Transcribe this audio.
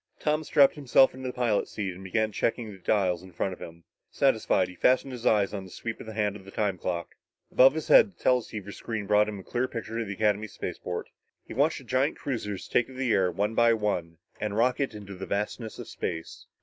Tom strapped himself into the pilot's seat and began checking the dials in front of him. Satisfied, he fastened his eyes on the sweep hand of the time clock. Above his head, the teleceiver screen brought him a clear picture of the Academy spaceport. He watched the giant cruisers take to the air one by one and rocket into the vastness of space.